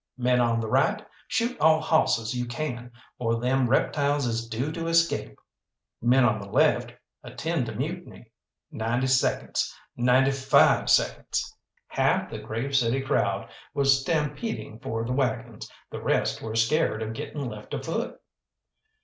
Men on the right, shoot all hawsses you can, or them reptiles is due to escape! Men on the left, attend to Mutiny! Ninety seconds! Ninety five seconds!" Half the Grave City crowd was stampeding for the waggons, the rest were scared of getting left afoot.